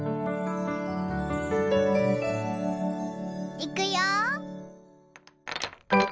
いくよ。